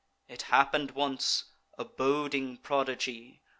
It happen'd once (a boding prodigy!)